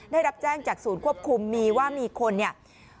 ได้รับแจ้งจากศูนย์ควบคุมมีว่ามีคนเนี่ย